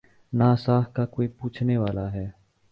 نہ ساکھ کا کوئی پوچھنے والا ہے۔